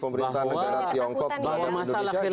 bahwa masalah khilafah ini masalah serius